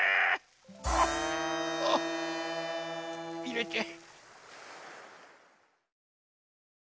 ああいれて。